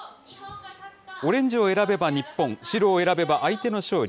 オレンジを選べば日本、白を選べば相手の勝利。